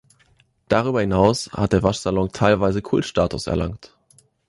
Darüber hinaus hat der Waschsalon teilweise Kultstatus erlangt.